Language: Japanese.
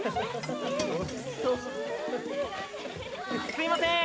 ・すいません